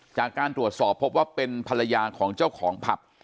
จากการตรวจสอบพบว่าเป็นภรรยาของเจ้าของผับ